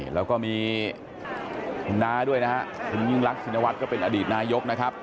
แล้วก็มีคุณน้าด้วยนะครับคุณยิ่งรักชินวัฒน์ก็เป็นอดีตนายกนะครับ